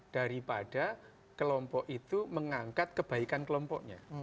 daripada kelompok itu mengangkat kebaikan kelompoknya